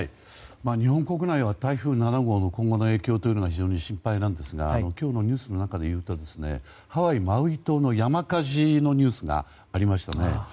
日本国内は台風７号の今後の影響が非常に心配なんですが今日のニュースの中でいうとハワイ・マウイ島の山火事のニュースがありましたね。